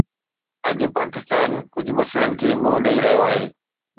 اڄ پاڪستان ڪجهه مسئلن کي منهن ڏئي رهيو آهي.